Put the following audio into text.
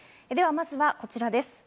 まずはこちらです。